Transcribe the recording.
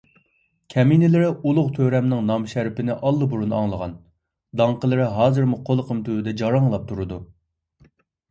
كەمىنىلىرى ئۇلۇغ تۆرەمنىڭ نامىشەرىپىنى ئاللىبۇرۇن ئاڭلىغان، داڭقىلىرى ھازىرمۇ قۇلىقىم تۈۋىدە جاراڭلاپ تۇرىدۇ.